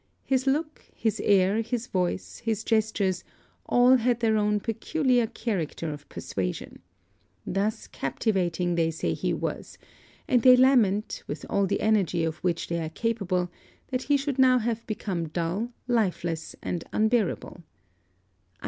His look, his air, his voice, his gestures, all had their own peculiar character of persuasion. Thus captivating they say he was; and they lament, with all the energy of which they are capable, that he should now have become dull, lifeless and unbearable.